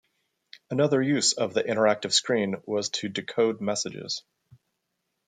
Another use of the interactive screen was to decode messages.